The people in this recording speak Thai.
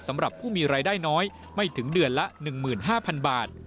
สำหรับผู้มีรายได้น้อยไม่ถึงเดือนละ๑๕๐๐๐บาท